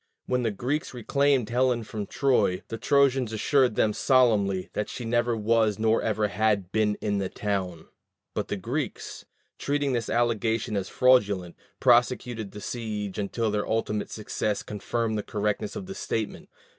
When the Greeks reclaimed Helen from Troy, the Trojans assured them solemnly that she neither was nor ever had been in the town; but the Greeks, treating this allegation as fraudulent, prosecuted the siege until their ultimate success confirmed the correctness of the statement.